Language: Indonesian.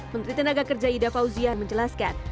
menteri tenaga kerja ida fauziah menjelaskan